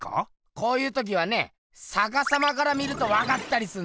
こういう時はねさかさまから見るとわかったりすんだよ。